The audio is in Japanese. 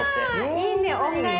あいいね。